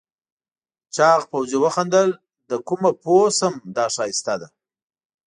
چاغ پوځي وخندل له کومه پوه شم دا ښایسته ده؟